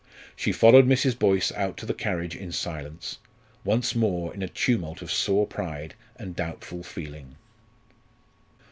She followed Mrs. Boyce out to the carriage in silence once more in a tumult of sore pride and doubtful feeling.